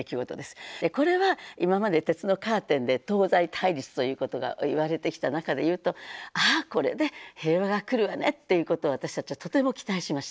これは今まで鉄のカーテンで東西対立ということがいわれてきた中で言うとああこれで平和が来るわねっていうことを私たちはとても期待しました。